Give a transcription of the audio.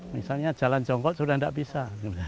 misalnya jalan jongkol sudah tidak bisa